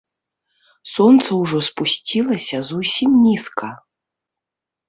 Сонца ўжо спусцілася зусім нізка.